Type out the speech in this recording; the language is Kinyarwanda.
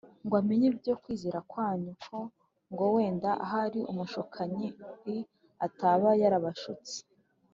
ngo amenye ibyo kwizera kwanyu k ngo wenda ahari Umushukanyi l ataba yarabashutse